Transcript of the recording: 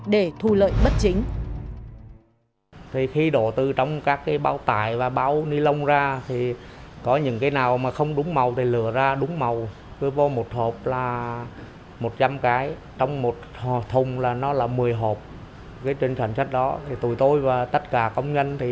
để thu lợi bất chính